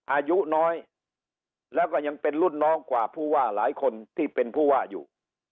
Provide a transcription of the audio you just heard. อายุน้อยแล้วก็ยังเป็นรุ่นน้องกว่าผู้ว่าหลายคนที่เป็นผู้ว่าอยู่